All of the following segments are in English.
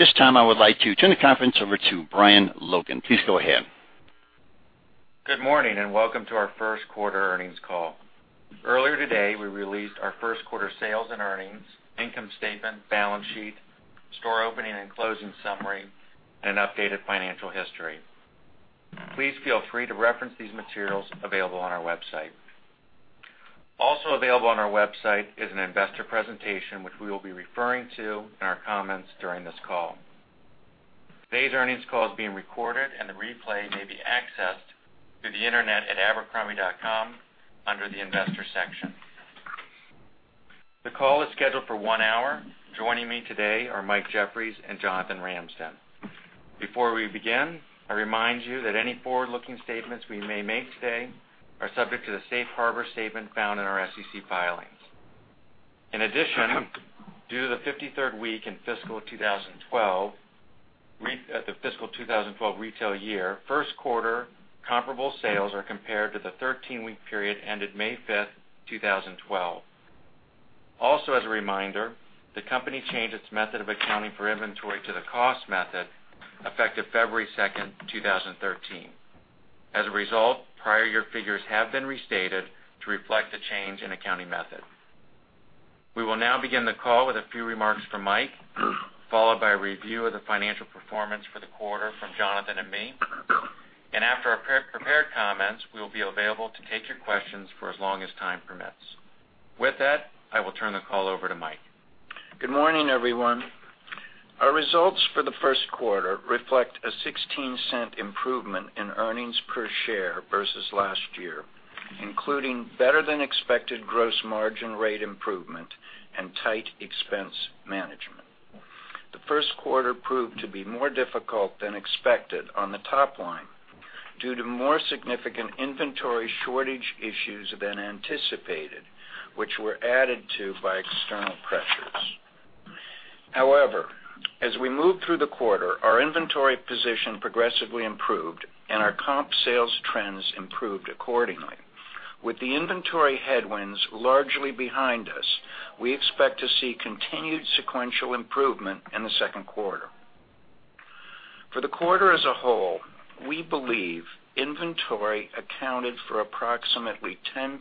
At this time, I would like to turn the conference over to Brian Loken. Please go ahead. Good morning, welcome to our first quarter earnings call. Earlier today, we released our first quarter sales and earnings, income statement, balance sheet, store opening and closing summary, and updated financial history. Please feel free to reference these materials available on our website. Also available on our website is an investor presentation, which we will be referring to in our comments during this call. Today's earnings call is being recorded, and the replay may be accessed through the internet at abercrombie.com under the investor section. The call is scheduled for one hour. Joining me today are Mike Jeffries and Jonathan Ramsden. Before we begin, I remind you that any forward-looking statements we may make today are subject to the safe harbor statement found in our SEC filings. In addition, due to the 53rd week in the fiscal 2012 retail year, first quarter comparable sales are compared to the 13-week period ended May 5th, 2012. Also, as a reminder, the company changed its method of accounting for inventory to the cost method effective February 2nd, 2013. As a result, prior year figures have been restated to reflect the change in accounting method. We will now begin the call with a few remarks from Mike, followed by a review of the financial performance for the quarter from Jonathan and me. After our prepared comments, we will be available to take your questions for as long as time permits. With that, I will turn the call over to Mike. Good morning, everyone. Our results for the first quarter reflect a $0.16 improvement in earnings per share versus last year, including better-than-expected gross margin rate improvement and tight expense management. The first quarter proved to be more difficult than expected on the top line due to more significant inventory shortage issues than anticipated, which were added to by external pressures. However, as we moved through the quarter, our inventory position progressively improved, and our comp sales trends improved accordingly. With the inventory headwinds largely behind us, we expect to see continued sequential improvement in the second quarter. For the quarter as a whole, we believe inventory accounted for approximately 10%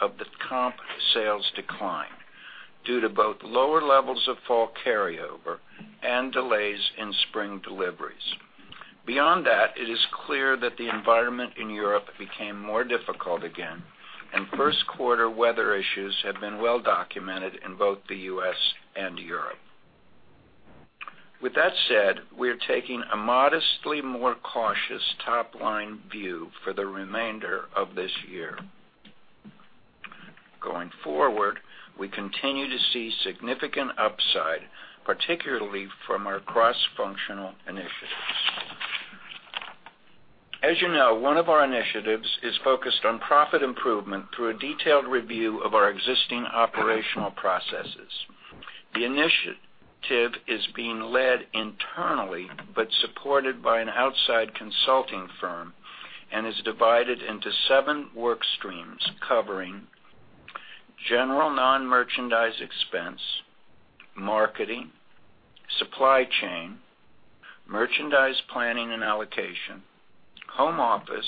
of the comp sales decline due to both lower levels of fall carryover and delays in spring deliveries. Beyond that, it is clear that the environment in Europe became more difficult again. First quarter weather issues have been well documented in both the U.S. and Europe. With that said, we are taking a modestly more cautious top-line view for the remainder of this year. Going forward, we continue to see significant upside, particularly from our cross-functional initiatives. As you know, one of our initiatives is focused on profit improvement through a detailed review of our existing operational processes. The initiative is being led internally but supported by an outside consulting firm and is divided into seven work streams covering general non-merchandise expense, marketing, supply chain, merchandise planning and allocation, home office,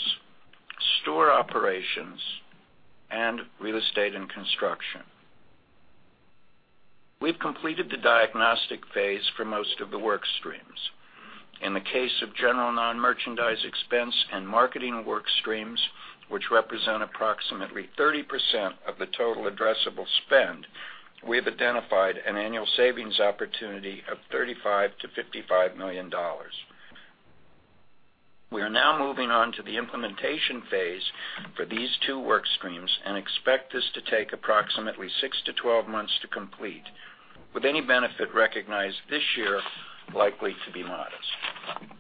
store operations, and real estate and construction. We've completed the diagnostic phase for most of the work streams. In the case of general non-merchandise expense and marketing work streams, which represent approximately 30% of the total addressable spend, we have identified an annual savings opportunity of $35 million-$55 million. We are now moving on to the implementation phase for these two work streams and expect this to take approximately 6 to 12 months to complete, with any benefit recognized this year likely to be modest.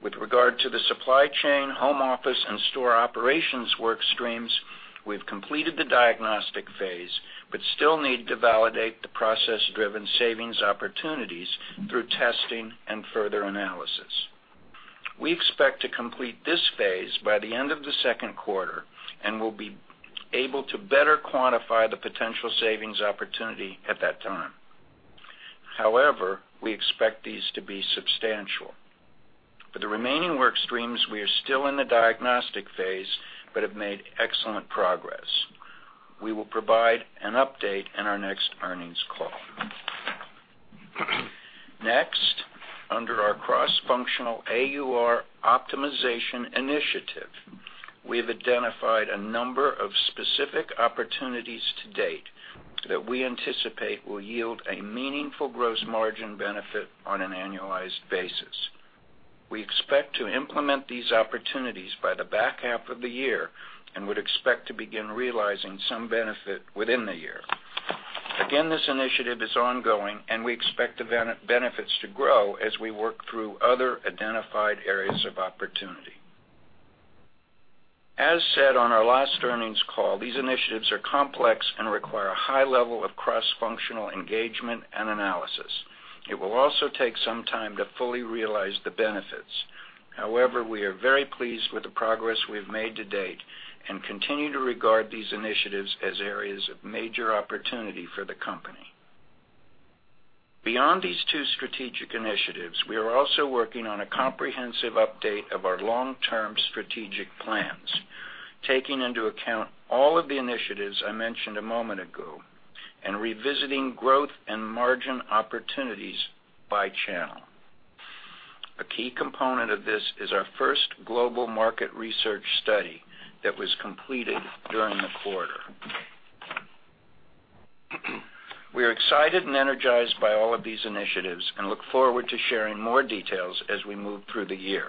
With regard to the supply chain, home office, and store operations work streams, we've completed the diagnostic phase but still need to validate the process-driven savings opportunities through testing and further analysis. We expect to complete this phase by the end of the second quarter and will be able to better quantify the potential savings opportunity at that time. We expect these to be substantial. For the remaining work streams, we are still in the diagnostic phase but have made excellent progress. We will provide an update in our next earnings call. Under our cross-functional AUR optimization initiative, we have identified a number of specific opportunities to date that we anticipate will yield a meaningful gross margin benefit on an annualized basis. We expect to implement these opportunities by the back half of the year and would expect to begin realizing some benefit within the year. This initiative is ongoing, and we expect the benefits to grow as we work through other identified areas of opportunity. As said on our last earnings call, these initiatives are complex and require a high level of cross-functional engagement and analysis. It will also take some time to fully realize the benefits. We are very pleased with the progress we've made to date and continue to regard these initiatives as areas of major opportunity for the company. Beyond these two strategic initiatives, we are also working on a comprehensive update of our long-term strategic plans, taking into account all of the initiatives I mentioned a moment ago, and revisiting growth and margin opportunities by channel. A key component of this is our first global market research study that was completed during the quarter. We are excited and energized by all of these initiatives and look forward to sharing more details as we move through the year.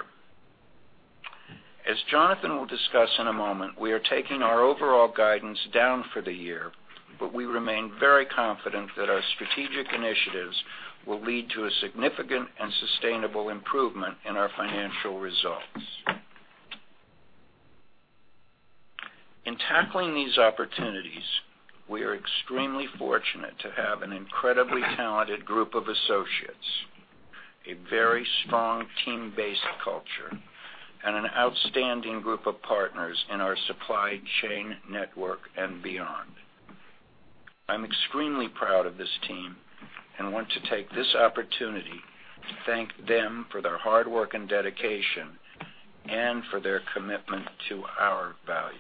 As Jonathan will discuss in a moment, we are taking our overall guidance down for the year, but we remain very confident that our strategic initiatives will lead to a significant and sustainable improvement in our financial results. In tackling these opportunities, we are extremely fortunate to have an incredibly talented group of associates, a very strong team-based culture, and an outstanding group of partners in our supply chain network and beyond. I'm extremely proud of this team and want to take this opportunity to thank them for their hard work and dedication and for their commitment to our values.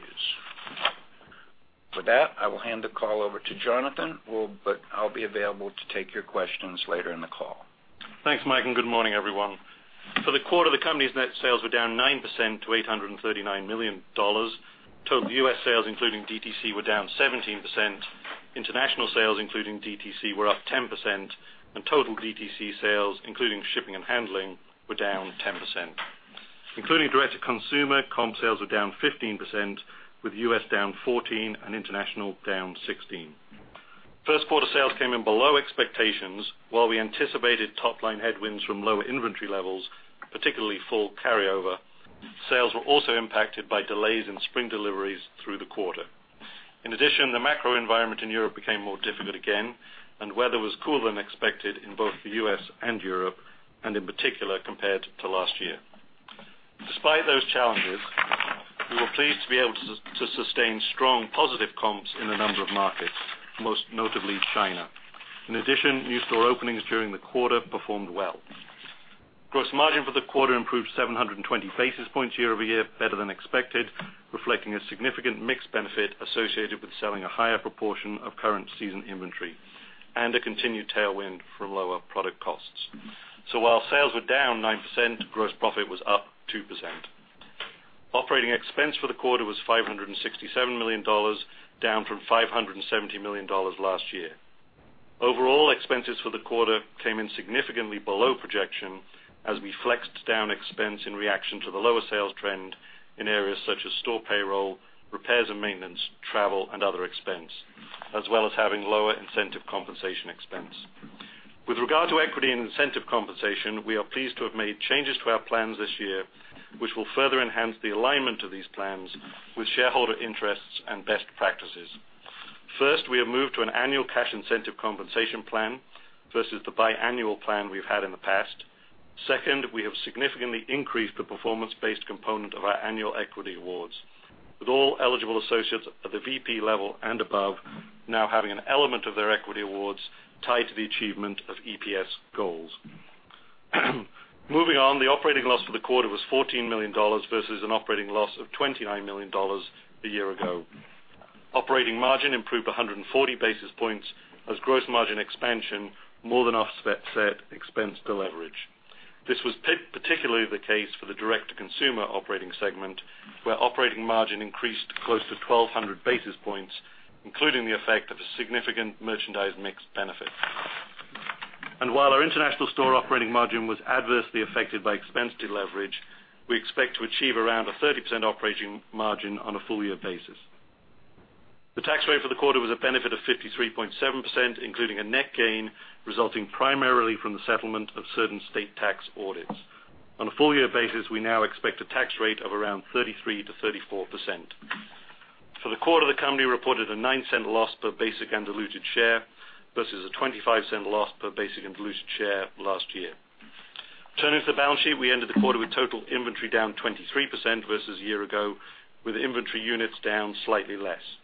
With that, I will hand the call over to Jonathan, but I'll be available to take your questions later in the call. Good morning, everyone. For the quarter, the company's net sales were down 9% to $839 million. Total U.S. sales, including DTC, were down 17%. International sales, including DTC, were up 10%, and total DTC sales, including shipping and handling, were down 10%. Including direct-to-consumer, comp sales were down 15%, with U.S. down 14% and international down 16%. First quarter sales came in below expectations. While we anticipated top-line headwinds from lower inventory levels, particularly full carryover, sales were also impacted by delays in spring deliveries through the quarter. The macro environment in Europe became more difficult again, and weather was cooler than expected in both the U.S. and Europe, and in particular, compared to last year. Despite those challenges, we were pleased to be able to sustain strong positive comps in a number of markets, most notably China. New store openings during the quarter performed well. Gross margin for the quarter improved 720 basis points year-over-year, better than expected, reflecting a significant mix benefit associated with selling a higher proportion of current season inventory and a continued tailwind from lower product costs. While sales were down 9%, gross profit was up 2%. Operating expense for the quarter was $567 million, down from $570 million last year. Overall, expenses for the quarter came in significantly below projection as we flexed down expense in reaction to the lower sales trend in areas such as store payroll, repairs and maintenance, travel, and other expense, as well as having lower incentive compensation expense. With regard to equity and incentive compensation, we are pleased to have made changes to our plans this year, which will further enhance the alignment of these plans with shareholder interests and best practices. First, we have moved to an annual cash incentive compensation plan versus the biannual plan we've had in the past. Second, we have significantly increased the performance-based component of our annual equity awards, with all eligible associates at the VP level and above now having an element of their equity awards tied to the achievement of EPS goals. The operating loss for the quarter was $14 million versus an operating loss of $29 million a year ago. Operating margin improved 140 basis points as gross margin expansion more than offset expense deleverage. This was particularly the case for the direct-to-consumer operating segment, where operating margin increased close to 1,200 basis points, including the effect of a significant merchandise mix benefit. While our international store operating margin was adversely affected by expense deleverage, we expect to achieve around a 30% operating margin on a full-year basis. The tax rate for the quarter was a benefit of 53.7%, including a net gain resulting primarily from the settlement of certain state tax audits. On a full-year basis, we now expect a tax rate of around 33%-34%. For the quarter, the company reported a $0.09 loss per basic and diluted share versus a $0.25 loss per basic and diluted share last year. Turning to the balance sheet, we ended the quarter with total inventory down 23% versus a year ago, with inventory units down slightly less.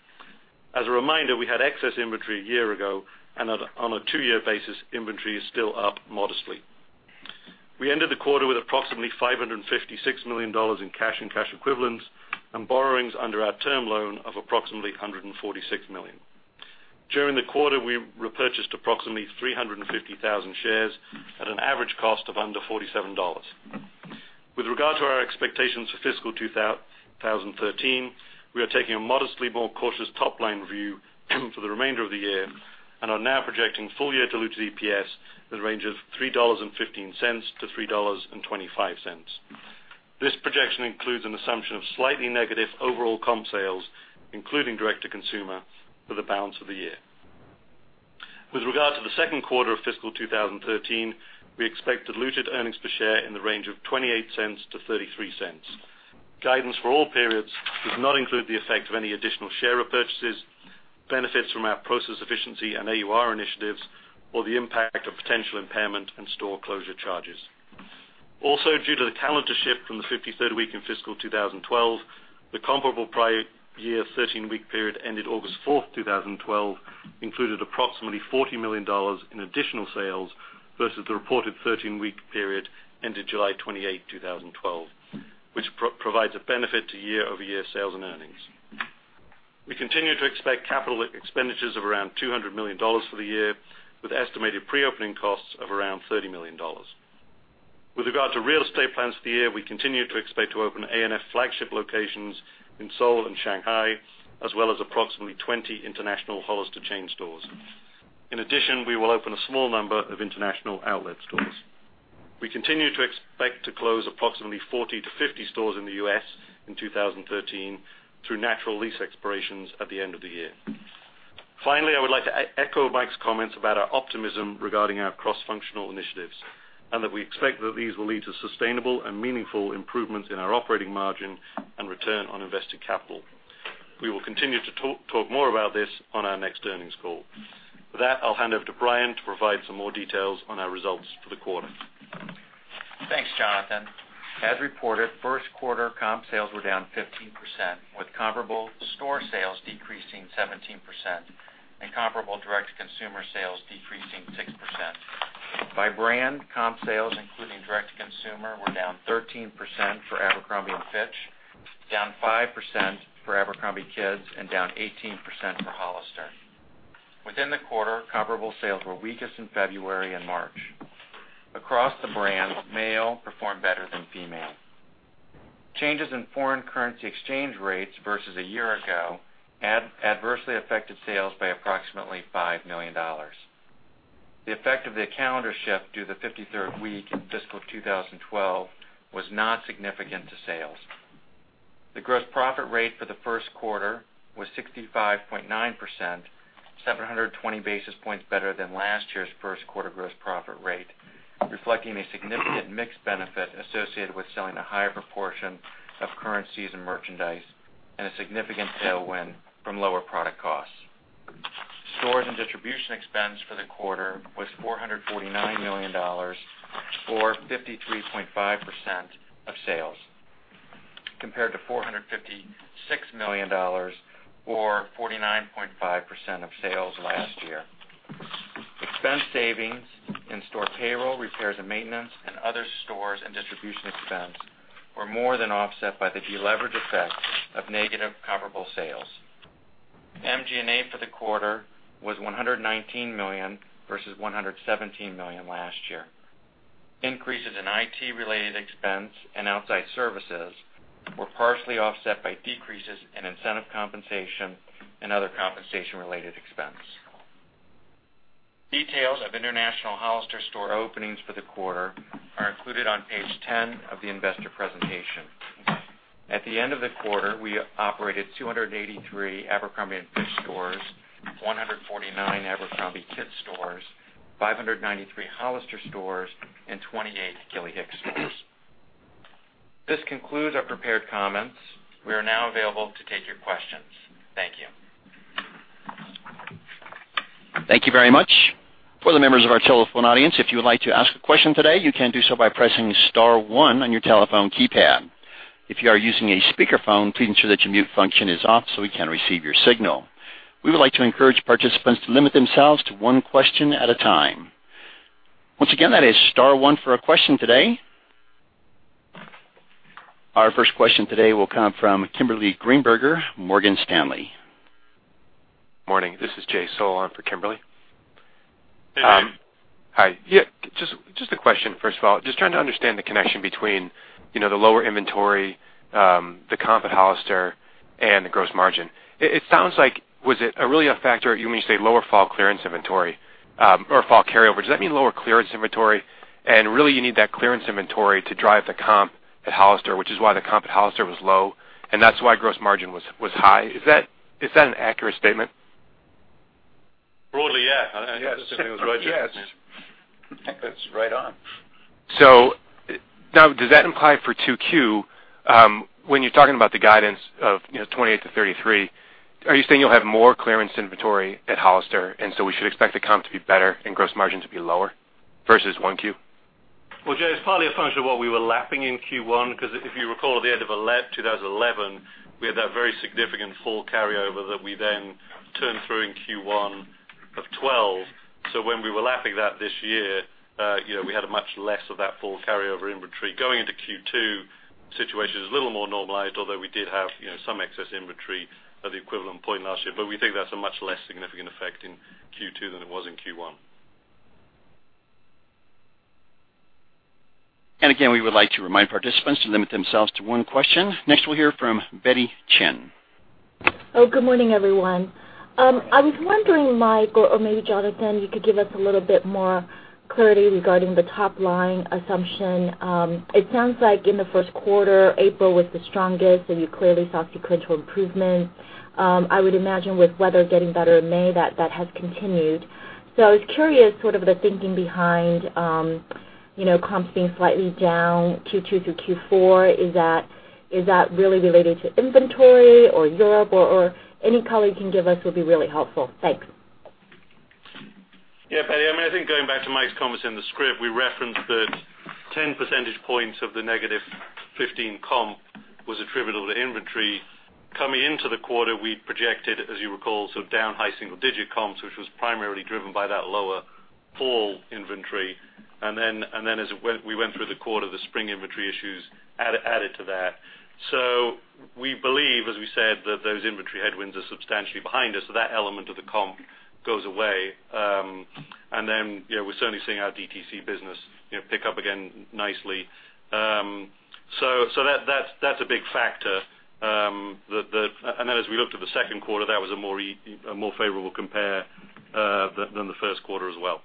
As a reminder, we had excess inventory a year ago, and on a two-year basis, inventory is still up modestly. We ended the quarter with approximately $556 million in cash and cash equivalents and borrowings under our term loan of approximately $146 million. During the quarter, we repurchased approximately 350,000 shares at an average cost of under $47. With regard to our expectations for fiscal 2013, we are taking a modestly more cautious top-line view for the remainder of the year and are now projecting full-year diluted EPS in the range of $3.15-$3.25. This projection includes an assumption of slightly negative overall comp sales, including direct to consumer, for the balance of the year. With regard to the second quarter of fiscal 2013, we expect diluted earnings per share in the range of $0.28-$0.33. Guidance for all periods does not include the effect of any additional share repurchases benefits from our process efficiency and AUR initiatives or the impact of potential impairment and store closure charges. Due to the calendar shift from the 53rd week in fiscal 2012, the comparable prior year of 13-week period ended August 4th, 2012, included approximately $40 million in additional sales versus the reported 13-week period ended July 28, 2012, which provides a benefit to year-over-year sales and earnings. We continue to expect capital expenditures of around $200 million for the year, with estimated pre-opening costs of around $30 million. With regard to real estate plans for the year, we continue to expect to open ANF flagship locations in Seoul and Shanghai, as well as approximately 20 international Hollister chain stores. In addition, we will open a small number of international outlet stores. We continue to expect to close approximately 40-50 stores in the U.S. in 2013 through natural lease expirations at the end of the year. I would like to echo Mike's comments about our optimism regarding our cross-functional initiatives, and that we expect that these will lead to sustainable and meaningful improvements in our operating margin and return on invested capital. We will continue to talk more about this on our next earnings call. With that, I'll hand over to Brian to provide some more details on our results for the quarter. Thanks, Jonathan. As reported, first quarter comp sales were down 15%, with comparable store sales decreasing 17% and comparable direct-to-consumer sales decreasing 6%. By brand, comp sales, including direct-to-consumer, were down 13% for Abercrombie & Fitch, down 5% for Abercrombie Kids, and down 18% for Hollister. Within the quarter, comparable sales were weakest in February and March. Across the brands, male performed better than female. Changes in foreign currency exchange rates versus a year ago adversely affected sales by approximately $5 million. The effect of the calendar shift due the 53rd week in fiscal 2012 was not significant to sales. The gross profit rate for the first quarter was 65.9%, 720 basis points better than last year's first quarter gross profit rate, reflecting a significant mix benefit associated with selling a higher proportion of current season merchandise and a significant tailwind from lower product costs. Stores and distribution expense for the quarter was $449 million or 53.5% of sales, compared to $456 million or 49.5% of sales last year. Expense savings in store payroll, repairs and maintenance and other stores and distribution expense were more than offset by the deleverage effect of negative comparable sales. MG&A for the quarter was $119 million, versus $117 million last year. Increases in IT related expense and outside services were partially offset by decreases in incentive compensation and other compensation related expense. Details of international Hollister store openings for the quarter are included on page 10 of the investor presentation. At the end of the quarter, we operated 283 Abercrombie & Fitch stores, 149 Abercrombie Kids stores, 593 Hollister stores, and 28 Gilly Hicks stores. This concludes our prepared comments. We are now available to take your questions. Thank you. Thank you very much. For the members of our telephone audience, if you would like to ask a question today, you can do so by pressing star one on your telephone keypad. If you are using a speakerphone, please ensure that your mute function is off so we can receive your signal. We would like to encourage participants to limit themselves to one question at a time. Once again, that is star one for a question today. Our first question today will come from Kimberly Greenberger, Morgan Stanley. Morning, this is Jay Solon for Kimberly. Hey. Hi. Yeah, just a question, first of all, just trying to understand the connection between the lower inventory, the comp at Hollister, and the gross margin. It sounds like, was it really a factor when you say lower fall clearance inventory or fall carryover? Does that mean lower clearance inventory and really you need that clearance inventory to drive the comp at Hollister, which is why the comp at Hollister was low, and that's why gross margin was high. Is that an accurate statement? Broadly, yeah. I think that's right. Yes. I think that's right on. Now does that imply for 2Q, when you're talking about the guidance of 28 to 33, are you saying you'll have more clearance inventory at Hollister, and so we should expect the comp to be better and gross margin to be lower versus 1Q? Well, Jay, it's partly a function of what we were lapping in Q1, because if you recall at the end of 2011, we had that very significant fall carryover that we then turned through in Q1 of 2012. When we were lapping that this year, we had a much less of that fall carryover inventory. Going into Q2, situation is a little more normalized, although we did have some excess inventory at the equivalent point last year. We think that's a much less significant effect in Q2 than it was in Q1. Again, we would like to remind participants to limit themselves to one question. Next, we'll hear from Betty Chen. Good morning, everyone. I was wondering, Mike, or maybe Jonathan, you could give us a little bit more clarity regarding the top-line assumption. It sounds like in the first quarter, April was the strongest, and you clearly saw sequential improvement. I would imagine with weather getting better in May that that has continued. I was curious sort of the thinking behind You know, comps being slightly down Q2 through Q4. Is that really related to inventory or Europe, or any color you can give us will be really helpful. Thanks. Yeah, Betty. I think going back to Mike's comments in the script, we referenced that 10 percentage points of the negative 15 comp was attributable to inventory. Coming into the quarter, we projected, as you recall, down high single-digit comps, which was primarily driven by that lower fall inventory. As we went through the quarter, the spring inventory issues added to that. We believe, as we said, that those inventory headwinds are substantially behind us. That element of the comp goes away. We're certainly seeing our DTC business pick up again nicely. That's a big factor. As we looked at the second quarter, that was a more favorable compare than the first quarter as well.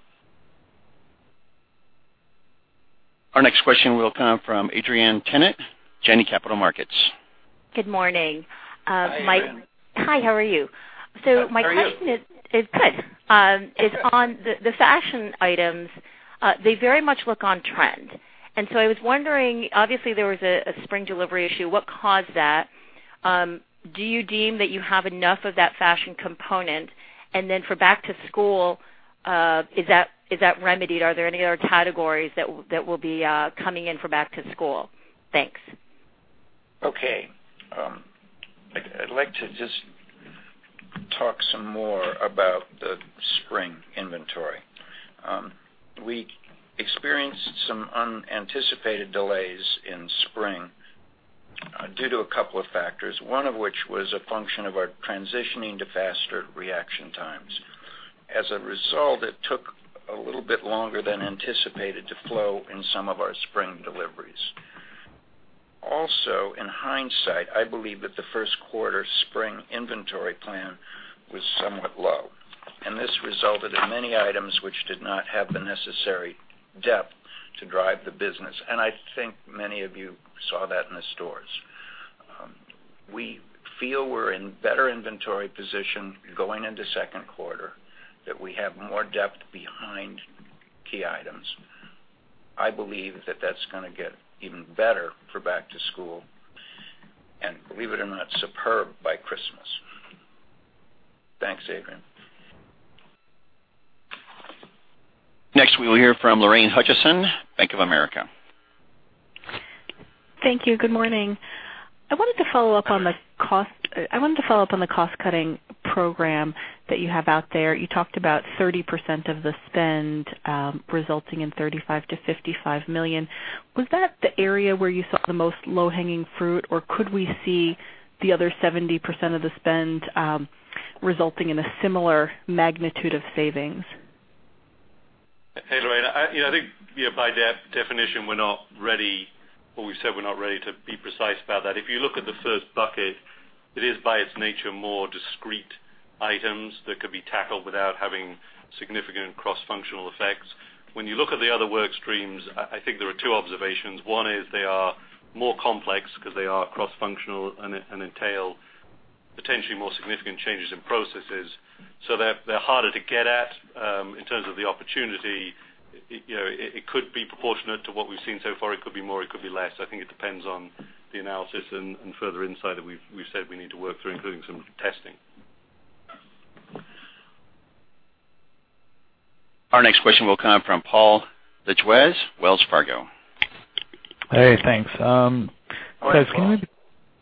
Our next question will come from Adrienne Tennant, Janney Montgomery Scott. Good morning. Hi, Adrienne. Hi, how are you? How are you? Good. On the fashion items, they very much look on trend. I was wondering, obviously, there was a spring delivery issue. What caused that? Do you deem that you have enough of that fashion component? Then for back to school, is that remedied? Are there any other categories that will be coming in for back to school? Thanks. Okay. I'd like to just talk some more about the spring inventory. We experienced some unanticipated delays in spring due to a couple of factors, one of which was a function of our transitioning to faster reaction times. As a result, it took a little bit longer than anticipated to flow in some of our spring deliveries. In hindsight, I believe that the first quarter spring inventory plan was somewhat low. This resulted in many items which did not have the necessary depth to drive the business. I think many of you saw that in the stores. We feel we're in better inventory position going into second quarter, that we have more depth behind key items. I believe that that's going to get even better for back to school. Believe it or not, superb by Christmas. Thanks, Adrienne. Next, we will hear from Lorraine Hutchinson, Bank of America. Thank you. Good morning. I wanted to follow up on the cost-cutting program that you have out there. You talked about 30% of the spend resulting in $35 million-$55 million. Was that the area where you saw the most low-hanging fruit, or could we see the other 70% of the spend resulting in a similar magnitude of savings? Hey, Lorraine. I think by definition, we're not ready, or we said we're not ready to be precise about that. If you look at the first bucket, it is by its nature, more discrete items that could be tackled without having significant cross-functional effects. When you look at the other work streams, I think there are two observations. One is they are more complex because they are cross-functional and entail potentially more significant changes in processes, so they're harder to get at. In terms of the opportunity, it could be proportionate to what we've seen so far. It could be more, it could be less. I think it depends on the analysis and further insight that we've said we need to work through, including some testing. Our next question will come from Paul Lejuez, Wells Fargo. Hey, thanks. Hi, Paul.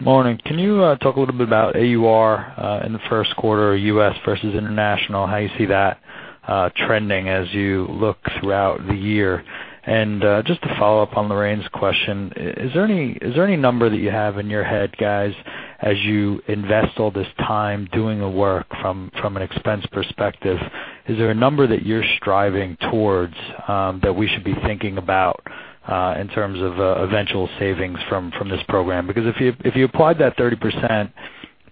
Morning. Can you talk a little bit about AUR in the first quarter, U.S. versus international, how you see that trending as you look throughout the year? Just to follow up on Lorraine's question, is there any number that you have in your head, guys, as you invest all this time doing the work from an expense perspective? Is there a number that you're striving towards that we should be thinking about in terms of eventual savings from this program? Because if you applied that 30%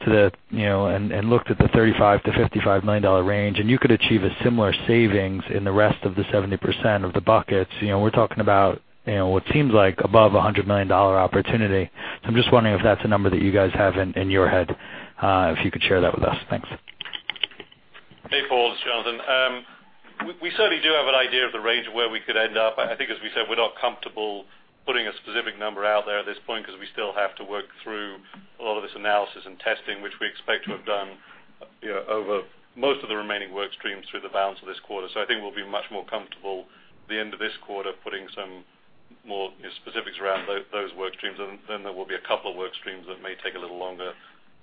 and looked at the $35 million-$55 million range, you could achieve a similar savings in the rest of the 70% of the buckets, we're talking about what seems like above $100 million opportunity. I'm just wondering if that's a number that you guys have in your head, if you could share that with us. Thanks. Hey, Paul. This is Jonathan. We certainly do have an idea of the range of where we could end up. I think, as we said, we're not comfortable putting a specific number out there at this point because we still have to work through a lot of this analysis and testing, which we expect to have done over most of the remaining work streams through the balance of this quarter. I think we'll be much more comfortable at the end of this quarter, putting some more specifics around those work streams. Then there will be a couple of work streams that may take a little longer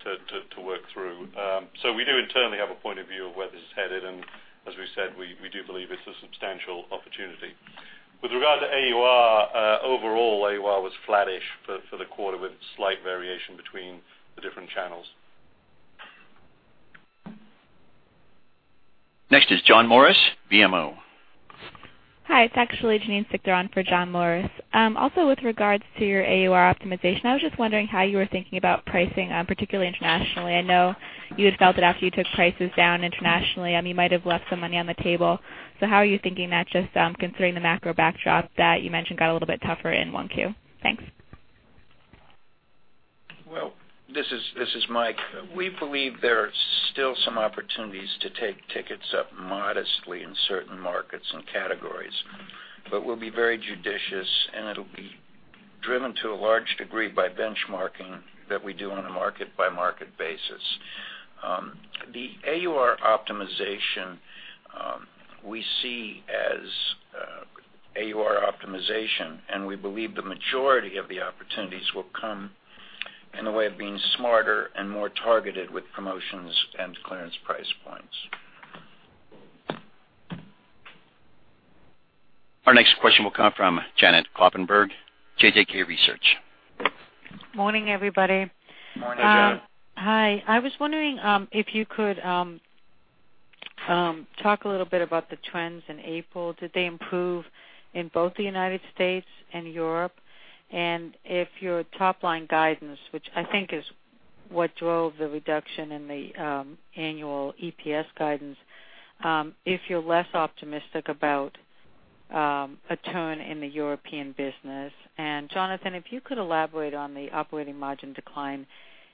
to work through. We do internally have a point of view of where this is headed, and as we've said, we do believe it's a substantial opportunity. With regard to AUR, overall, AUR was flattish for the quarter with slight variation between the different channels. Next is John Morris, BMO. Hi, it's actually Janine Jeffries on for John Morris. With regards to your AUR optimization, I was just wondering how you were thinking about pricing, particularly internationally. I know you had felt that after you took prices down internationally, you might have left some money on the table. How are you thinking that, just considering the macro backdrop that you mentioned got a little bit tougher in 1Q? Thanks. This is Mike. We believe there are still some opportunities to take tickets up modestly in certain markets and categories, but we'll be very judicious, and it'll be driven to a large degree by benchmarking that we do on a market-by-market basis. The AUR optimization we see as AUR optimization, and we believe the majority of the opportunities will come in the way of being smarter and more targeted with promotions and clearance price points. Our next question will come from Janet Kloppenburg, J.J.K. Research. Morning, everybody. Morning, Janet. Hi. I was wondering if you could talk a little bit about the trends in April. Did they improve in both the U.S. and Europe? If your top-line guidance, which I think is what drove the reduction in the annual EPS guidance, if you're less optimistic about a turn in the European business. Jonathan, if you could elaborate on the operating margin decline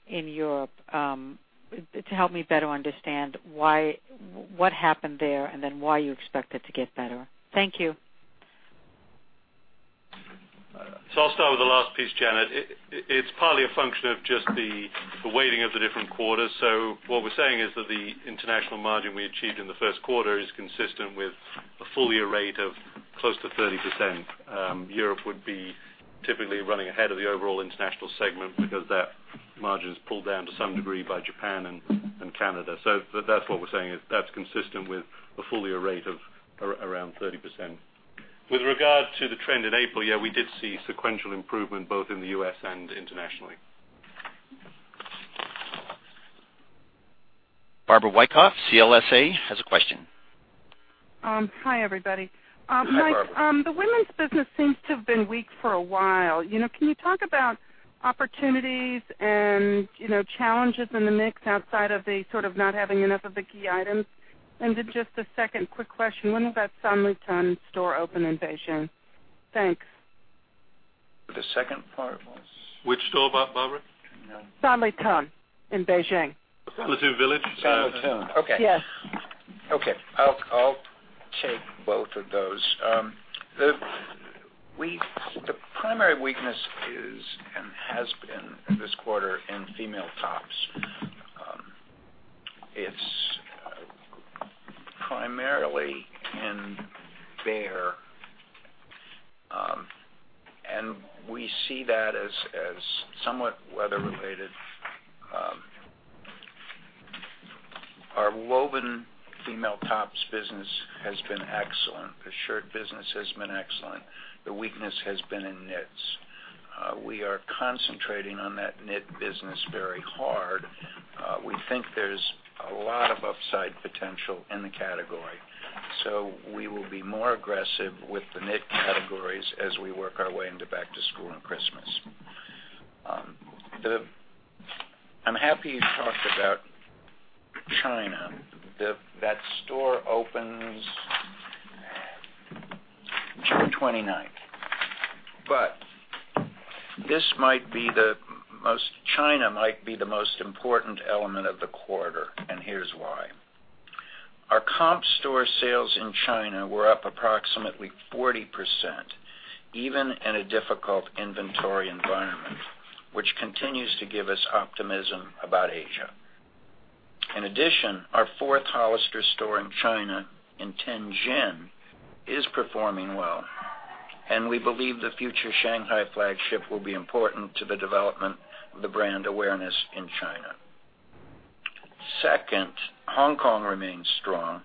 in Europe, to help me better understand what happened there, and then why you expect it to get better. Thank you. I'll start with the last piece, Janet. It's partly a function of just the weighting of the different quarters. What we're saying is that the international margin we achieved in the first quarter is consistent with a full-year rate of close to 30%. Europe would be typically running ahead of the overall international segment because that margin is pulled down to some degree by Japan and Canada. That's what we're saying is that's consistent with a full-year rate of around 30%. With regard to the trend in April, yeah, we did see sequential improvement both in the U.S. and internationally. Barbara Wyckoff, CLSA, has a question. Hi, everybody. Hi, Barbara. Mike, the women's business seems to have been weak for a while. Can you talk about opportunities and challenges in the mix outside of the sort of not having enough of the key items? Just a second quick question, when will that Sanlitun store open in Beijing? Thanks. The second part was? Which store, Barbara? Sanlitun in Beijing. Sanlitun Village? Sanlitun. Yes. Okay. I'll take both of those. The primary weakness is and has been this quarter in female tops. It's primarily in Abercrombie, and we see that as somewhat weather related. Our woven female tops business has been excellent. The shirt business has been excellent. The weakness has been in knits. We are concentrating on that knit business very hard. We think there's a lot of upside potential in the category, so we will be more aggressive with the knit categories as we work our way into back to school and Christmas. I'm happy you talked about China. That store opens June 29th. China might be the most important element of the quarter, and here's why. Our comp store sales in China were up approximately 40%, even in a difficult inventory environment, which continues to give us optimism about Asia. In addition, our fourth Hollister store in China in Tianjin is performing well, and we believe the future Shanghai flagship will be important to the development of the brand awareness in China. Second, Hong Kong remains strong.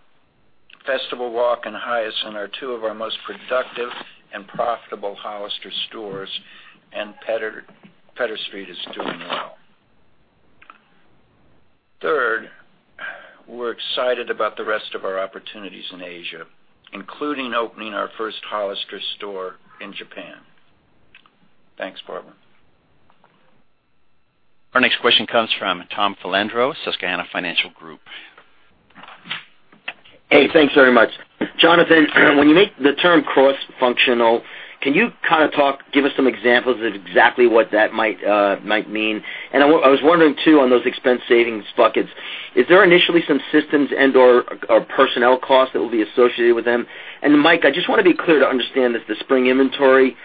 Festival Walk and Hysan are two of our most productive and profitable Hollister stores, and Pedder Street is doing well. Third, we're excited about the rest of our opportunities in Asia, including opening our first Hollister store in Japan. Thanks, Barbara. Our next question comes from Thomas Filandro, Susquehanna Financial Group. Hey, thanks very much. Jonathan, when you make the term cross-functional, can you kind of give us some examples of exactly what that might mean? I was wondering, too, on those expense savings buckets, is there initially some systems and/or personnel costs that will be associated with them? Mike, I just want to be clear to understand if the spring inventory,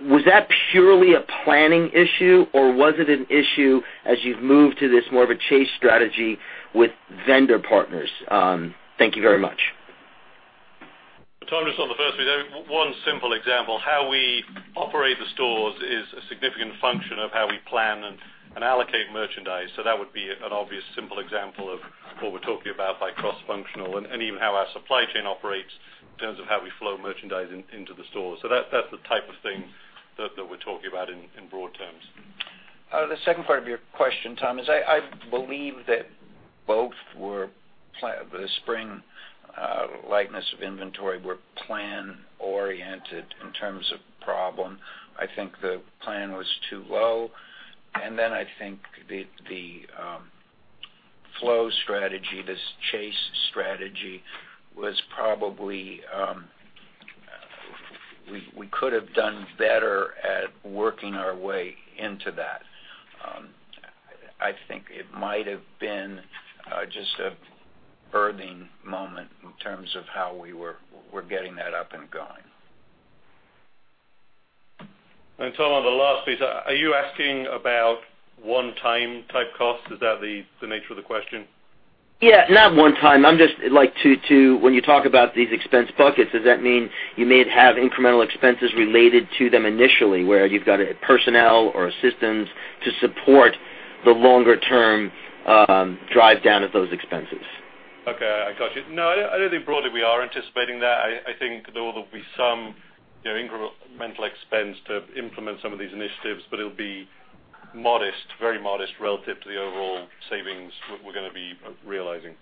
was that purely a planning issue, or was it an issue as you've moved to this more of a chase strategy with vendor partners? Thank you very much. Tom, just on the first bit, one simple example, how we operate the stores is a significant function of how we plan and allocate merchandise. That would be an obvious, simple example of what we're talking about by cross-functional, and even how our supply chain operates in terms of how we flow merchandise into the stores. That's the type of thing that we're talking about in broad terms. The second part of your question, Tom, is I believe that both the spring lightness of inventory were plan-oriented in terms of problem. I think the plan was too low. I think the flow strategy, this chase strategy was probably. We could have done better at working our way into that. I think it might have been just a birthing moment in terms of how we were getting that up and going. Tom, on the last piece, are you asking about one-time type costs? Is that the nature of the question? Yeah. Not one-time. When you talk about these expense buckets, does that mean you may have incremental expenses related to them initially, where you've got a personnel or systems to support the longer-term drive down of those expenses? Okay. I got you. No, I don't think broadly we are anticipating that. I think there will be some incremental expense to implement some of these initiatives, but it'll be modest, very modest relative to the overall savings we're going to be realizing.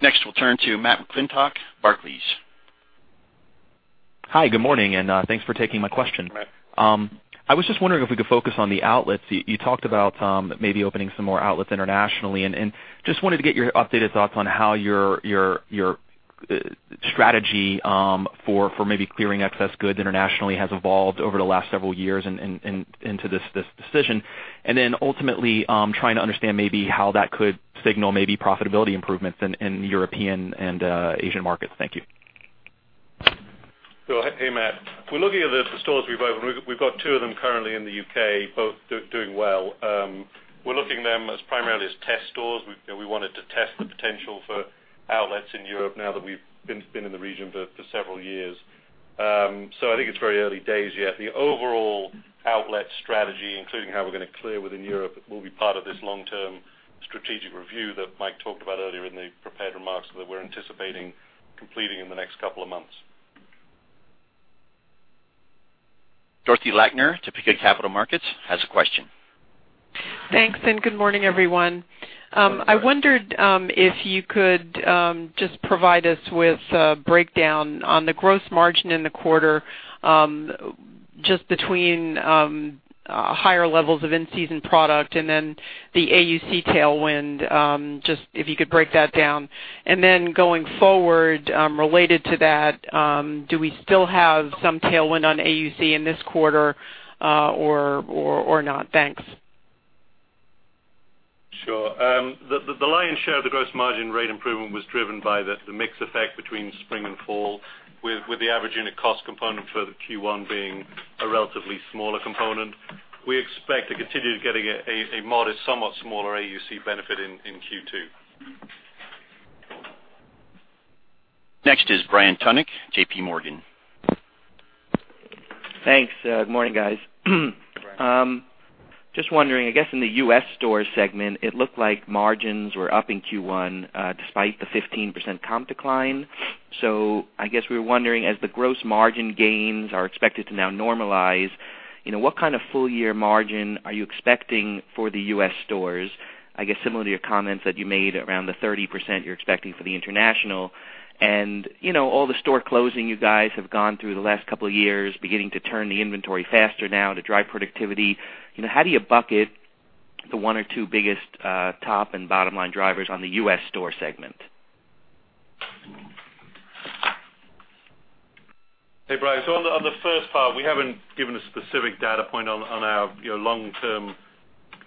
Next, we'll turn to Matthew McClintock, Barclays. Hi, good morning. Thanks for taking my question. Right. I was just wondering if we could focus on the outlets. You talked about maybe opening some more outlets internationally. Just wanted to get your updated thoughts on how your strategy for maybe clearing excess goods internationally has evolved over the last several years into this decision. Ultimately, trying to understand maybe how that could signal maybe profitability improvements in European and Asian markets. Thank you. Sure. Hey, Matt. If we're looking at the stores we've opened, we've got two of them currently in the U.K., both doing well. We're looking at them as primarily as test stores. We wanted to test the potential for outlets in Europe now that we've been in the region for several years. I think it's very early days yet. The overall outlet strategy, including how we're going to clear within Europe, will be part of this long-term strategic review that Mike talked about earlier in the prepared remarks that we're anticipating completing in the next couple of months. Dorothy Lakner, Topeka Capital Markets, has a question. Thanks, good morning, everyone. Good morning. I wondered if you could just provide us with a breakdown on the gross margin in the quarter, just between higher levels of in-season product and then the AUC tailwind, just if you could break that down. Then going forward, related to that, do we still have some tailwind on AUC in this quarter or not? Thanks. Sure. The lion's share of the gross margin rate improvement was driven by the mix effect between spring and fall, with the average unit cost component for the Q1 being a relatively smaller component. We expect to continue to get a modest, somewhat smaller AUC benefit in Q2. Next is Brian Tunick, JPMorgan. Thanks. Good morning, guys. Brian. Just wondering, I guess in the U.S. store segment, it looked like margins were up in Q1, despite the 15% comp decline. I guess we were wondering, as the gross margin gains are expected to now normalize, what kind of full-year margin are you expecting for the U.S. stores? I guess similar to your comments that you made around the 30% you're expecting for the international, and all the store closing you guys have gone through the last couple of years, beginning to turn the inventory faster now to drive productivity. How do you bucket the one or two biggest top and bottom-line drivers on the U.S. store segment? Hey, Brian. On the first part, we haven't given a specific data point on our long-term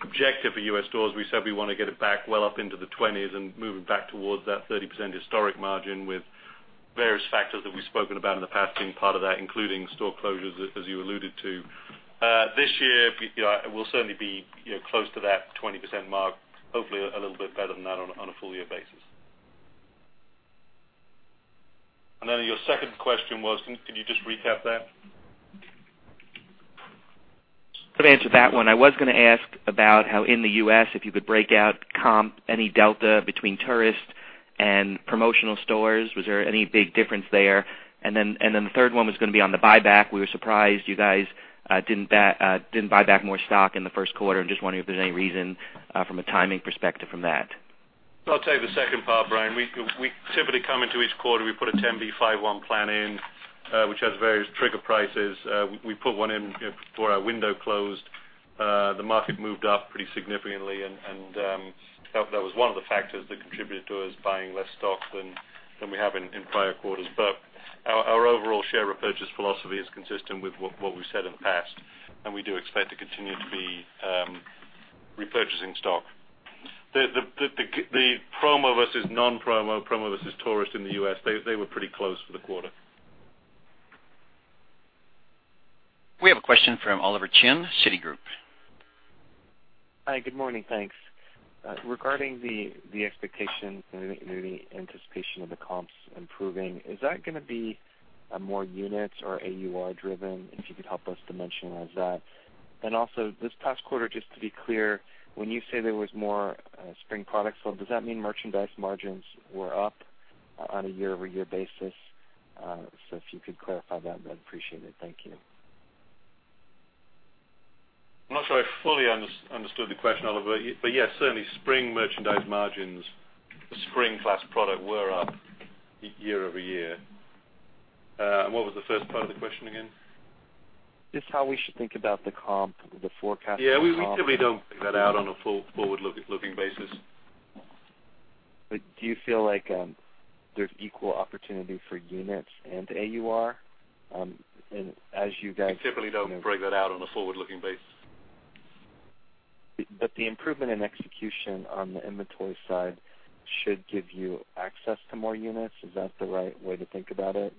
objective for U.S. stores. We said we want to get it back well up into the 20s and moving back towards that 30% historic margin with various factors that we've spoken about in the past being part of that, including store closures, as you alluded to. This year, we'll certainly be close to that 20% mark, hopefully a little bit better than that on a full-year basis. Then your second question was, could you just recap that? Could I answer that one? I was going to ask about how in the U.S., if you could break out comp, any delta between tourist and promotional stores. Was there any big difference there? The third one was going to be on the buyback. We were surprised you guys didn't buy back more stock in the first quarter. I'm just wondering if there's any reason from a timing perspective from that. I'll tell you the second part, Brian Tunick. We typically come into each quarter, we put a 10b5-1 plan in, which has various trigger prices. We put one in before our window closed. The market moved up pretty significantly, and that was one of the factors that contributed to us buying less stock than we have in prior quarters. Our overall share repurchase philosophy is consistent with what we've said in the past, and we do expect to continue to be repurchasing stock. The promo versus non-promo, promo versus tourist in the U.S., they were pretty close for the quarter. We have a question from Oliver Chen, Citigroup. Hi, good morning. Thanks. Regarding the expectations and the anticipation of the comps improving, is that going to be a more units or AUR driven, if you could help us dimensionalize that? Also this past quarter, just to be clear, when you say there was more spring product sold, does that mean merchandise margins were up on a year-over-year basis? If you could clarify that, I'd appreciate it. Thank you. I'm not sure I fully understood the question, Oliver. Yes, certainly spring merchandise margins, the spring class product were up year-over-year. What was the first part of the question again? Just how we should think about the comp, the forecast Yeah. We typically don't put that out on a full forward-looking basis. Do you feel like there's equal opportunity for units and AUR? As you guys We typically don't break that out on a forward-looking basis. The improvement in execution on the inventory side should give you access to more units. Is that the right way to think about it?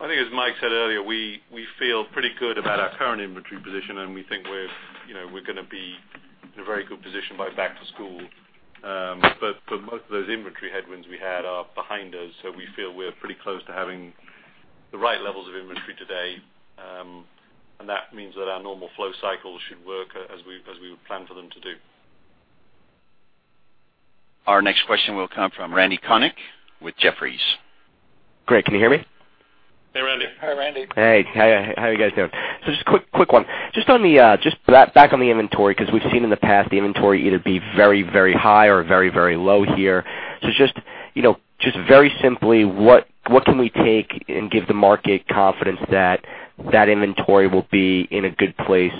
I think, as Mike said earlier, we feel pretty good about our current inventory position, and we think we're going to be in a very good position by back to school. Most of those inventory headwinds we had are behind us, so we feel we're pretty close to having the right levels of inventory today. That means that our normal flow cycles should work as we would plan for them to do. Our next question will come from Randal Konik with Jefferies. Great. Can you hear me? Hey, Randy. Hi, Randy. Hey. How you guys doing? Just a quick one. Just back on the inventory, because we've seen in the past the inventory either be very, very high or very, very low here. Just very simply, what can we take and give the market confidence that that inventory will be in a good place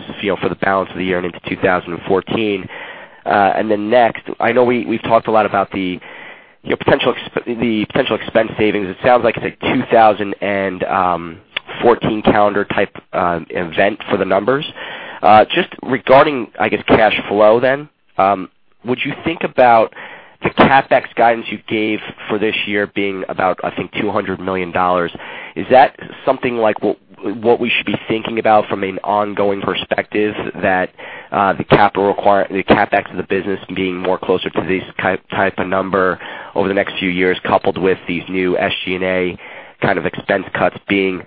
for the balance of the year and into 2014? Next, I know we've talked a lot about the potential expense savings. It sounds like it's a 2014 calendar type event for the numbers. Just regarding, I guess, cash flow then. Would you think about the CapEx guidance you gave for this year being about, I think, $200 million? Is that something like what we should be thinking about from an ongoing perspective, that the CapEx of the business being more closer to this type of number over the next few years, coupled with these new SG&A kind of expense cuts being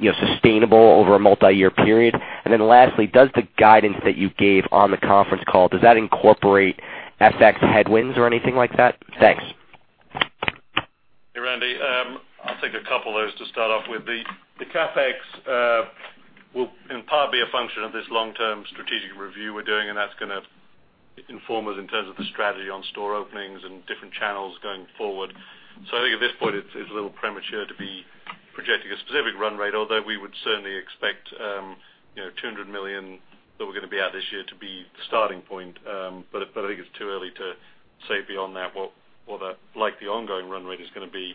sustainable over a multi-year period? Lastly, does the guidance that you gave on the conference call, does that incorporate FX headwinds or anything like that? Thanks. Hey, Randy. I'll take a couple of those to start off with. The CapEx will, in part, be a function of this long-term strategic review we're doing, and that's going to inform us in terms of the strategy on store openings and different channels going forward. I think at this point, it's a little premature to be projecting a specific run rate, although we would certainly expect $200 million that we're going to be at this year to be the starting point. I think it's too early to say beyond that what that likely ongoing run rate is going to be.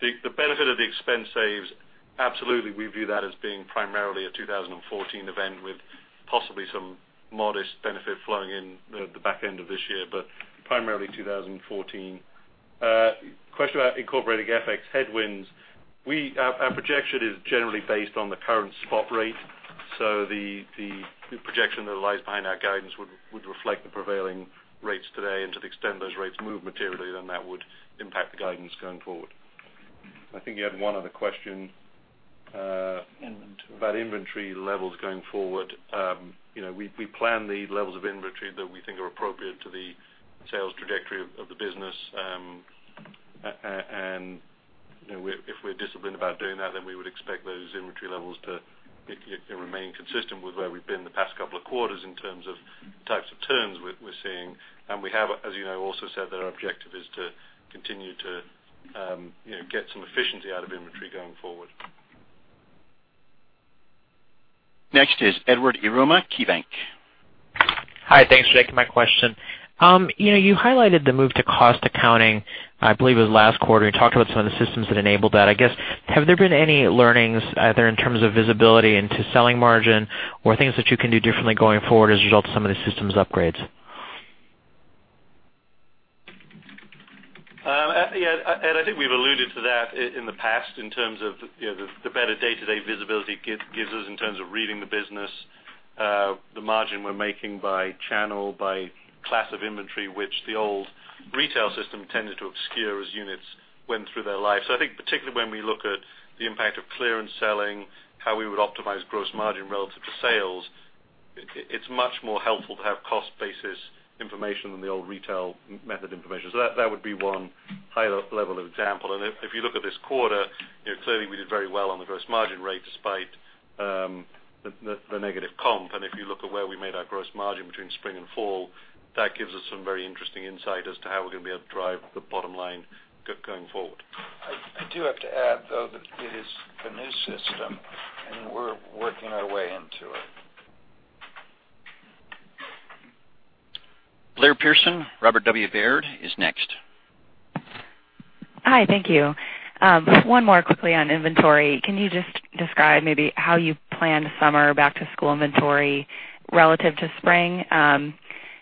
The benefit of the expense saves, absolutely, we view that as being primarily a 2014 event with possibly some modest benefit flowing in the back end of this year, but primarily 2014. Question about incorporating FX headwinds. Our projection is generally based on the current spot rate. The projection that lies behind our guidance would reflect the prevailing rates today, to the extent those rates move materially, that would impact the guidance going forward. I think you had one other question. Inventory. About inventory levels going forward. We plan the levels of inventory that we think are appropriate to the sales trajectory of the business. If we're disciplined about doing that, we would expect those inventory levels to remain consistent with where we've been the past couple of quarters in terms of types of turns we're seeing. We have, as you know, also said that our objective is to continue to get some efficiency out of inventory going forward. Next is Edward Yruma, KeyBank. Hi. Thanks for taking my question. You highlighted the move to cost accounting, I believe it was last quarter. You talked about some of the systems that enabled that. I guess, have there been any learnings either in terms of visibility into selling margin or things that you can do differently going forward as a result of some of the systems upgrades? Ed, I think we've alluded to that in the past in terms of the better day-to-day visibility it gives us in terms of reading the business, the margin we're making by channel, by class of inventory, which the old retail system tended to obscure as units went through their life. I think particularly when we look at the impact of clearance selling, how we would optimize gross margin relative to sales, it's much more helpful to have cost basis information than the old retail method information. That would be one high level example. If you look at this quarter, clearly we did very well on the gross margin rate despite the negative comp. If you look at where we made our gross margin between spring and fall, that gives us some very interesting insight as to how we're going to be able to drive the bottom line going forward. I do have to add, though, that it is a new system, and we're working our way into it. Blake-Pearson, Robert W. Baird, is next. Hi, thank you. One more quickly on inventory. Can you just describe maybe how you planned summer back to school inventory relative to spring?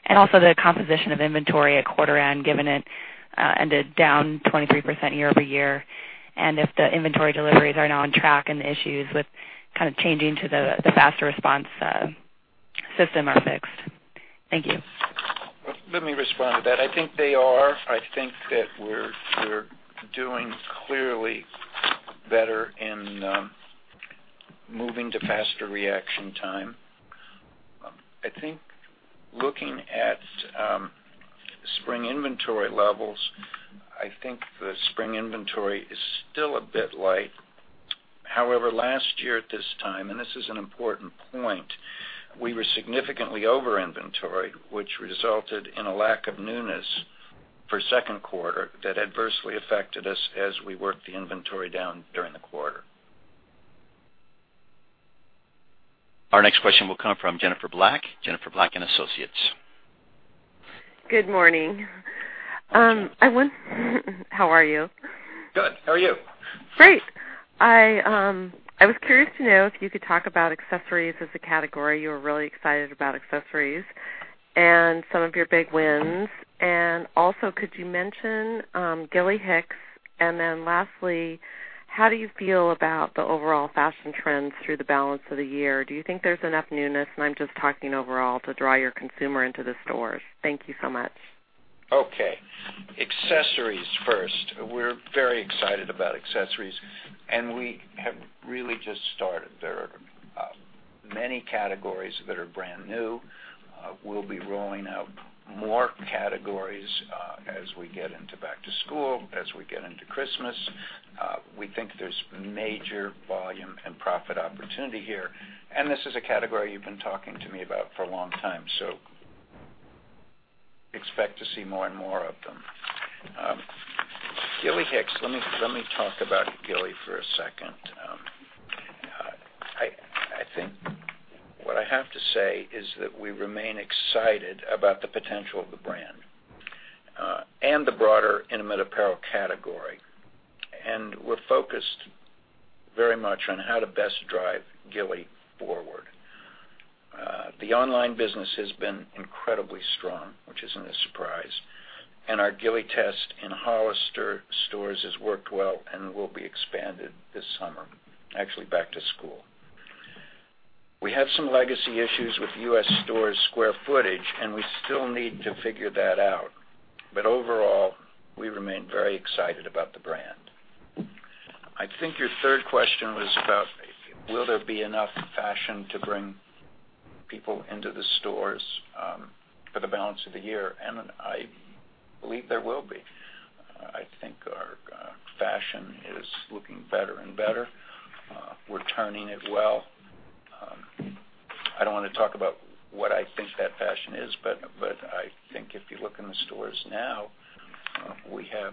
Also the composition of inventory at quarter end, given it ended down 23% year-over-year. If the inventory deliveries are now on track and the issues with kind of changing to the faster response system are fixed. Thank you. Let me respond to that. I think they are. I think that we're doing clearly better in moving to faster reaction time. I think looking at spring inventory levels, I think the spring inventory is still a bit light. However, last year at this time, and this is an important point, we were significantly over-inventoried, which resulted in a lack of newness for second quarter that adversely affected us as we worked the inventory down during the quarter. Our next question will come from Jennifer Black, Jennifer Black & Associates. Good morning. How are you? Good. How are you? Great. I was curious to know if you could talk about accessories as a category. You were really excited about accessories and some of your big wins. Also, could you mention Gilly Hicks? Lastly, how do you feel about the overall fashion trends through the balance of the year? Do you think there's enough newness, and I'm just talking overall, to draw your consumer into the stores? Thank you so much. Okay. Accessories first. We're very excited about accessories. We have really just started. There are many categories that are brand new. We'll be rolling out more categories as we get into back to school, as we get into Christmas. We think there's major volume and profit opportunity here. This is a category you've been talking to me about for a long time. Expect to see more and more of them. Gilly Hicks, let me talk about Gilly for a second. I think what I have to say is that we remain excited about the potential of the brand, the broader intimate apparel category. We're focused very much on how to best drive Gilly forward. The online business has been incredibly strong, which isn't a surprise. Our Gilly test in Hollister stores has worked well and will be expanded this summer, actually back to school. We have some legacy issues with U.S. stores' square footage. We still need to figure that out. Overall, we remain very excited about the brand. I think your third question was about will there be enough fashion to bring people into the stores for the balance of the year. I believe there will be. I think our fashion is looking better and better. We're turning it well. I don't want to talk about what I think that fashion is. I think if you look in the stores now, we have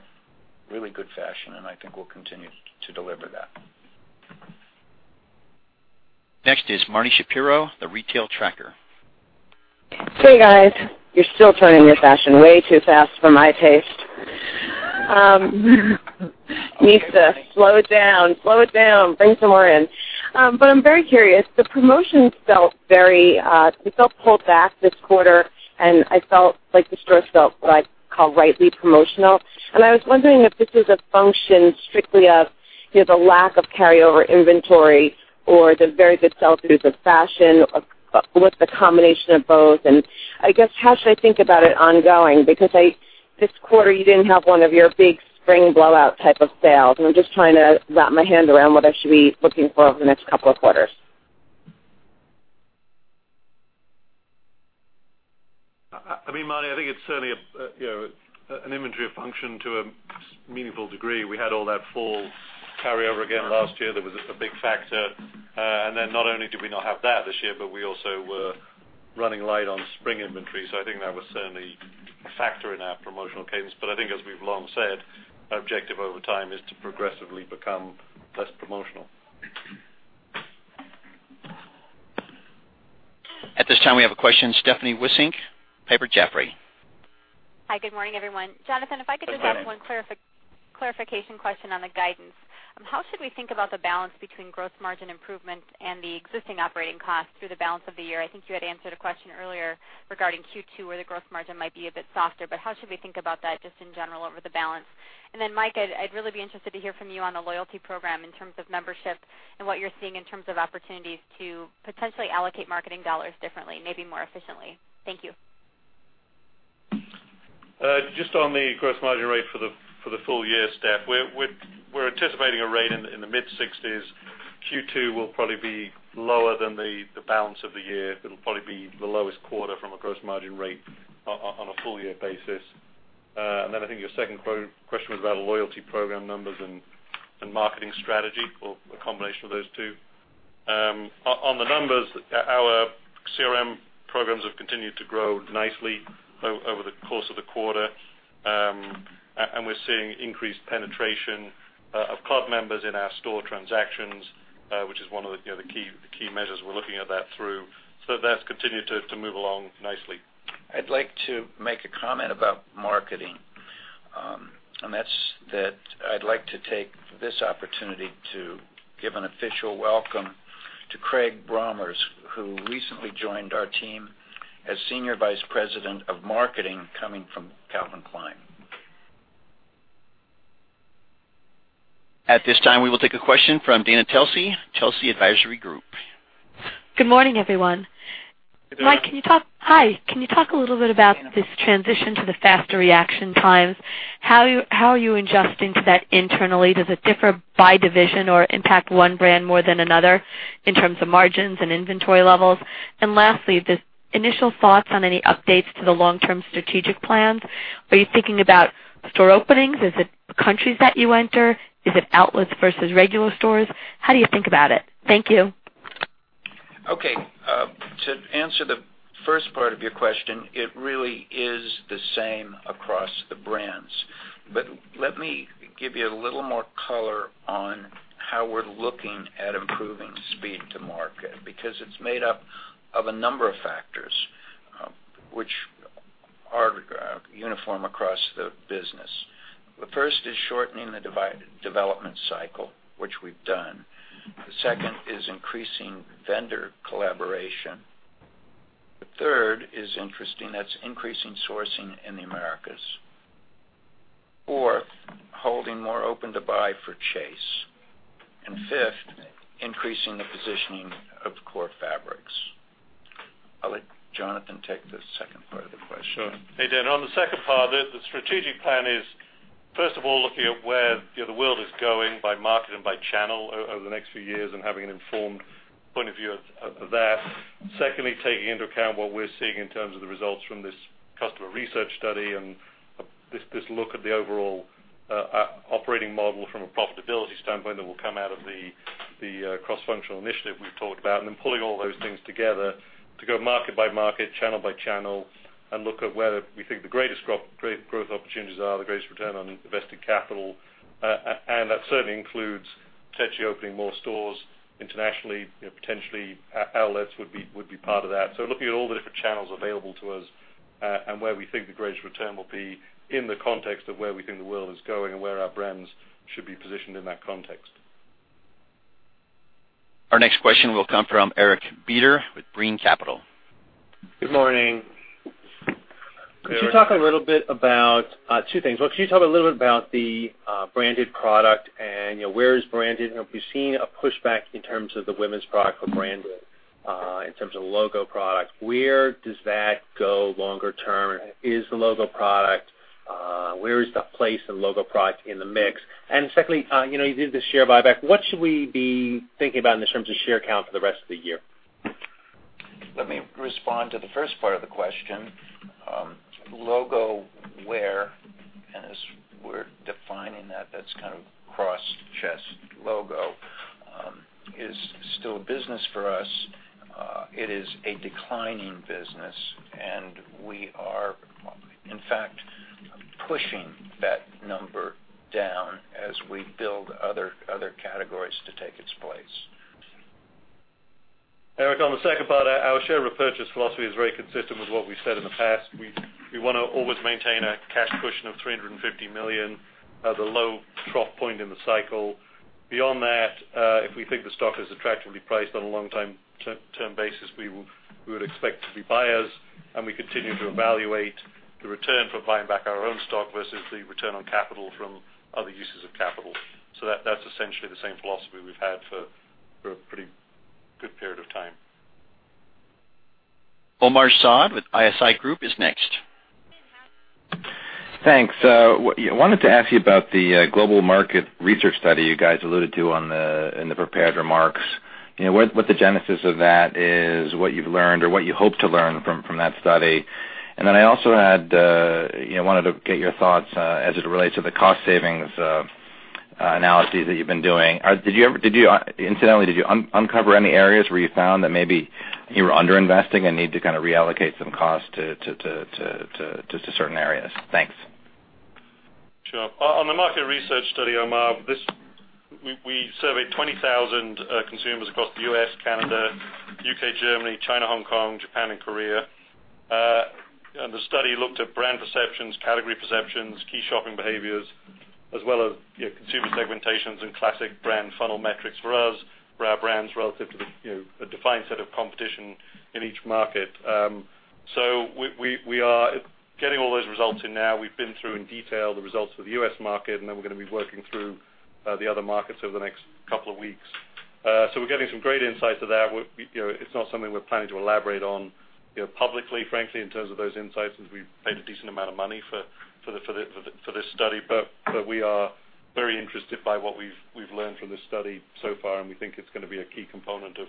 really good fashion. I think we'll continue to deliver that. Next is Marni Shapiro, The Retail Tracker. Hey, guys. You're still turning your fashion way too fast for my taste. Needs to slow it down. Slow it down. Bring some more in. I'm very curious. The promotions felt pulled back this quarter. I felt like the stores felt what I'd call rightly promotional. I was wondering if this is a function strictly of the lack of carryover inventory or the very good sell-throughs of fashion, or was it the combination of both? I guess, how should I think about it ongoing? Because this quarter, you didn't have one of your big spring blowout type of sales. I'm just trying to wrap my head around what I should be looking for over the next couple of quarters. Marni, I think it's certainly an inventory function to a meaningful degree. We had all that fall carryover again last year. That was a big factor. Not only did we not have that this year, but we also were running light on spring inventory. I think that was certainly a factor in our promotional cadence. I think as we've long said, our objective over time is to progressively become less promotional. At this time, we have a question, Stephanie Wissink, Piper Jaffray. Hi. Good morning, everyone. Good morning. Jonathan, if I could just ask one clarification question on the guidance. How should we think about the balance between gross margin improvement and the existing operating costs through the balance of the year? I think you had answered a question earlier regarding Q2 where the gross margin might be a bit softer, but how should we think about that just in general over the balance? Mike, I'd really be interested to hear from you on the loyalty program in terms of membership and what you're seeing in terms of opportunities to potentially allocate marketing dollars differently, maybe more efficiently. Thank you. Just on the gross margin rate for the full year, Steph, we're anticipating a rate in the mid-60s. Q2 will probably be lower than the balance of the year. It'll probably be the lowest quarter from a gross margin rate on a full-year basis. I think your second question was about loyalty program numbers and marketing strategy, or a combination of those two. On the numbers, our CRM programs have continued to grow nicely over the course of the quarter. We're seeing increased penetration of club members in our store transactions, which is one of the key measures we're looking at that through. That's continued to move along nicely. I'd like to make a comment about marketing, and that's that I'd like to take this opportunity to give an official welcome to Craig Brommers, who recently joined our team as Senior Vice President of Marketing, coming from Calvin Klein. At this time, we will take a question from Dana Telsey Advisory Group. Good morning, everyone. Good morning. Mike, can you talk a little bit about this transition to the faster reaction times? How are you adjusting to that internally? Does it differ by division or impact one brand more than another in terms of margins and inventory levels? Lastly, just initial thoughts on any updates to the long-term strategic plans. Are you thinking about store openings? Is it countries that you enter? Is it outlets versus regular stores? How do you think about it? Thank you. Okay. To answer the First part of your question, it really is the same across the brands. Let me give you a little more color on how we're looking at improving speed to market, because it's made up of a number of factors, which are uniform across the business. The first is shortening the development cycle, which we've done. The second is increasing vendor collaboration. The third is interesting. That's increasing sourcing in the Americas. Four, holding more open to buy for chase. Fifth, increasing the positioning of core fabrics. I'll let Jonathan take the second part of the question. Sure. Hey, Dana. On the second part, the strategic plan is, first of all, looking at where the world is going by market and by channel over the next few years and having an informed point of view of that. Secondly, taking into account what we're seeing in terms of the results from this customer research study and this look at the overall operating model from a profitability standpoint that will come out of the cross-functional initiative we've talked about. Then pulling all those things together to go market by market, channel by channel, and look at where we think the greatest growth opportunities are, the greatest return on invested capital. That certainly includes potentially opening more stores internationally. Potentially, outlets would be part of that. Looking at all the different channels available to us, and where we think the greatest return will be in the context of where we think the world is going and where our brands should be positioned in that context. Our next question will come from Eric Beder with Brean Capital. Good morning. Good morning. Could you talk a little bit about two things? One, could you talk a little bit about the branded product, where is branded? We've seen a pushback in terms of the women's product for branded, in terms of logo product. Where does that go longer term? Where is the place of logo product in the mix? Secondly, you did the share buyback. What should we be thinking about in terms of share count for the rest of the year? Let me respond to the first part of the question. Logo wear, and as we're defining that's kind of cross chest logo, is still a business for us. It is a declining business, and we are, in fact, pushing that number down as we build other categories to take its place. Eric, on the second part, our share repurchase philosophy is very consistent with what we've said in the past. We want to always maintain a cash cushion of $350 million at the low trough point in the cycle. Beyond that, if we think the stock is attractively priced on a long-term basis, we would expect to be buyers, and we continue to evaluate the return from buying back our own stock versus the return on capital from other uses of capital. That's essentially the same philosophy we've had for a pretty good period of time. Omar Saad with ISI Group is next. Thanks. I wanted to ask you about the global market research study you guys alluded to in the prepared remarks. What the genesis of that is, what you've learned or what you hope to learn from that study. I also wanted to get your thoughts as it relates to the cost savings analyses that you've been doing. Incidentally, did you uncover any areas where you found that maybe you were under-investing and need to kind of reallocate some costs to certain areas? Thanks. Sure. On the market research study, Omar, we surveyed 20,000 consumers across the U.S., Canada, U.K., Germany, China, Hong Kong, Japan, and Korea. The study looked at brand perceptions, category perceptions, key shopping behaviors, as well as consumer segmentations and classic brand funnel metrics for us, for our brands relative to a defined set of competition in each market. We are getting all those results in now. We've been through in detail the results for the U.S. market, we're going to be working through the other markets over the next couple of weeks. We're getting some great insights to that. It's not something we're planning to elaborate on publicly, frankly, in terms of those insights, since we've paid a decent amount of money for this study. We are very interested by what we've learned from this study so far, and we think it's going to be a key component of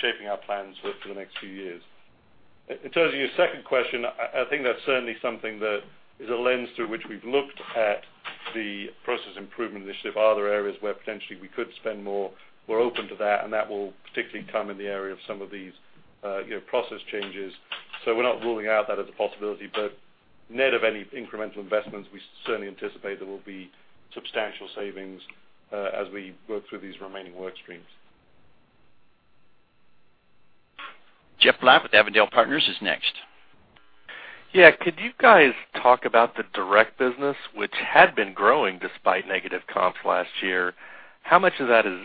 shaping our plans for the next few years. In terms of your second question, I think that's certainly something that is a lens through which we've looked at the process improvement initiative. Are there areas where potentially we could spend more? We're open to that, and that will particularly come in the area of some of these process changes. We're not ruling out that as a possibility, but net of any incremental investments, we certainly anticipate there will be substantial savings as we work through these remaining work streams. Jeff Black with Avondale Partners is next. Yeah. Could you guys talk about the direct business, which had been growing despite negative comps last year? How much of that is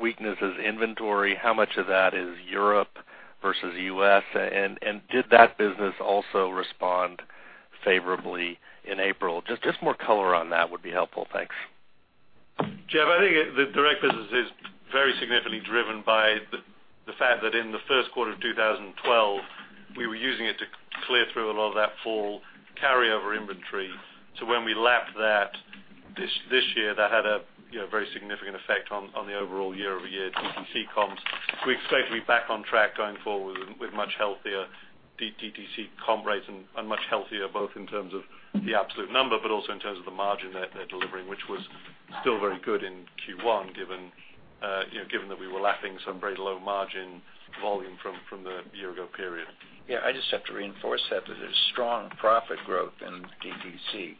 weaknesses inventory? How much of that is Europe versus U.S.? And did that business also respond favorably in April? Just more color on that would be helpful. Thanks. Jeff, I think the direct business is very significantly driven by the fact that in the first quarter of 2012, we were using it to clear through a lot of that fall carryover inventory. When we lapped that this year, that had a very significant effect on the overall year-over-year DTC comps. We expect to be back on track going forward with much healthier DTC comp rates and much healthier both in terms of the absolute number, but also in terms of the margin they're delivering, which was still very good in Q1 given that we were lapping some very low margin volume from the year ago period. Yeah, I just have to reinforce that there's strong profit growth in DTC.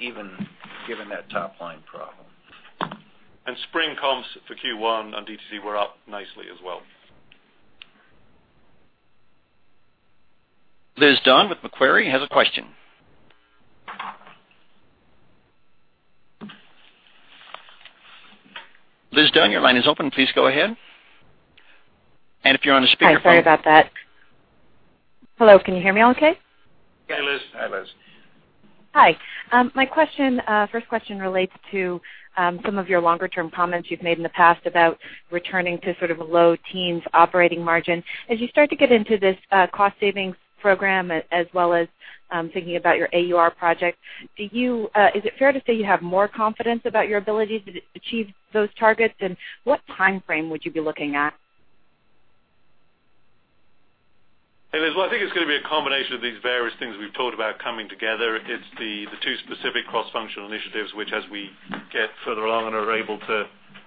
Even given that top-line problem. Spring comps for Q1 on DTC were up nicely as well. Liz Dunn with Macquarie has a question. Liz Dunn, your line is open. Please go ahead. If you're on a speaker phone. Hi, sorry about that. Hello, can you hear me okay? Yeah, Liz. Hi, Liz. Hi. My first question relates to some of your longer-term comments you've made in the past about returning to sort of low teens operating margin. As you start to get into this cost savings program, as well as thinking about your AUR project, is it fair to say you have more confidence about your ability to achieve those targets? What timeframe would you be looking at? Hey, Liz. Well, I think it's going to be a combination of these various things we've talked about coming together. It's the two specific cross-functional initiatives, which as we get further along and are able to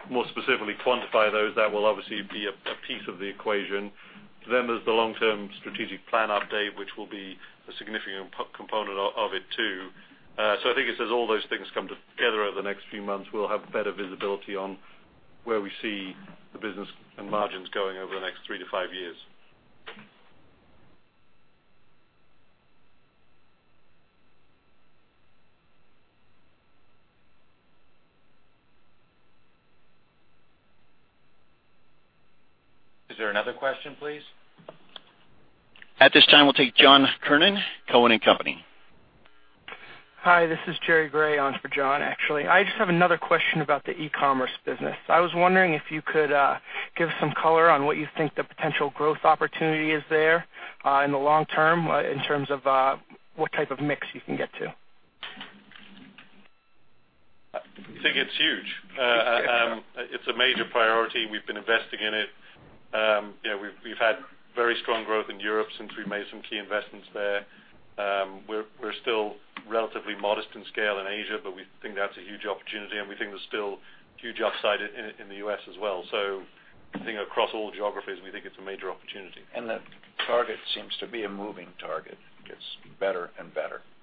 more specifically quantify those, that will obviously be a piece of the equation. There's the long-term strategic plan update, which will be a significant component of it, too. I think as all those things come together over the next few months, we'll have better visibility on where we see the business and margins going over the next three to five years. Is there another question, please? At this time, we'll take John Kernan, Cowen and Company. Hi, this is Jerry Gray on for John, actually. I just have another question about the e-commerce business. I was wondering if you could give some color on what you think the potential growth opportunity is there in the long term, in terms of what type of mix you can get to. I think it's huge. It's a major priority. We've been investing in it. We've had very strong growth in Europe since we've made some key investments there. We're still relatively modest in scale in Asia, but we think that's a huge opportunity, and we think there's still huge upside in the U.S. as well. I think across all geographies, we think it's a major opportunity. That target seems to be a moving target, gets better and better.